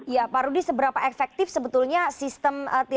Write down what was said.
ya pak rudi seberapa efektif sebetulnya sistem ini